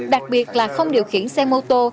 đặc biệt là không điều khiển xe mô tô